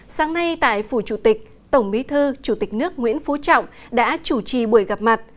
sáng nay tại phủ chủ tịch tổng bí thư chủ tịch nước nguyễn phú trọng đã chủ trì buổi gặp mặt